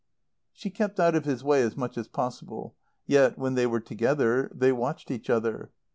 She kept out of his way as much as possible; yet, when they were together they watched each other.